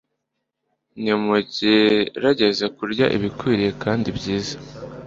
Nimugerageze kurya ibikwiriye kandi byiza